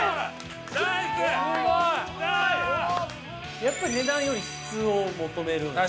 やっぱり値段より質を求めるんですね